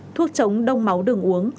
thuốc chống đông máu đừng uống